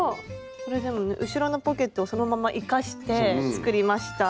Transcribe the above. これでもね後ろのポケットをそのまま生かして作りました。